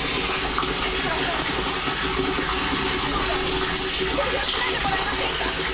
原さんどうか公表しないでもらえませんか！